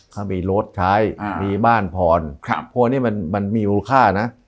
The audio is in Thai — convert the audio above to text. ถ้ามีรถใช้อ่ามีบ้านพรครับพวกนี้มันมันมีมูลค่านะ